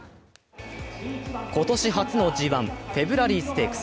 今年初のＧⅠ、フェブラリーステークス。